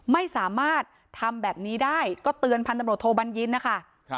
ไม่สามารถทำแบบนี้ได้ก็เตือนพันตำรวจโทบัญญินนะคะ